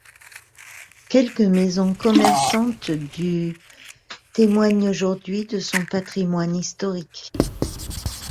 Quelques maisons commerçantes du témoignent aujourd'hui de son patrimoine historique.